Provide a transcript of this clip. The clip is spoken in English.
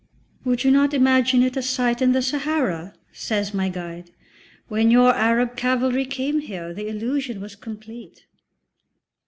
"Would you not imagine it a site in the Sahara?" says my guide. "When your Arab cavalry came here the illusion was complete."